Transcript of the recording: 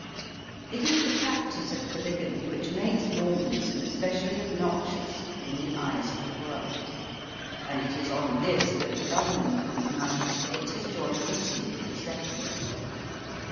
It is the practice of polygamy which makes Mormonism especially obnoxious in the eyes of the world, and it is on this that the Govern ment of the United States has joined issue with the settlers.